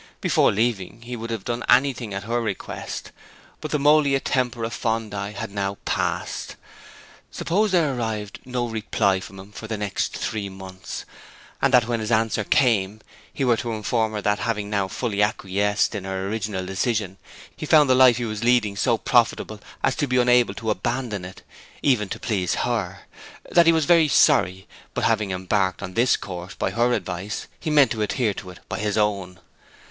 Before leaving, he would have done anything at her request; but the mollia tempora fandi had now passed. Suppose there arrived no reply from him for the next three months; and that when his answer came he were to inform her that, having now fully acquiesced in her original decision, he found the life he was leading so profitable as to be unable to abandon it, even to please her; that he was very sorry, but having embarked on this course by her advice he meant to adhere to it by his own.